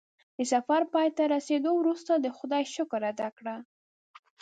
د سفر پای ته رسېدو وروسته د خدای شکر ادا کړه.